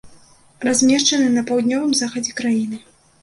Размешчаны на паўднёвым захадзе краіны.